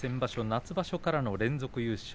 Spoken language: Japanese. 夏場所からの連続優勝